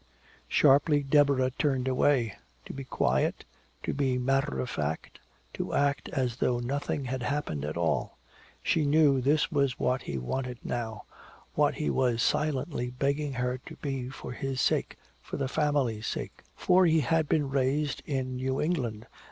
Sharply Deborah turned away. To be quiet, to be matter of fact, to act as though nothing had happened at all she knew this was what he wanted now, what he was silently begging her to be for his sake, for the family's sake. For he had been raised in New England.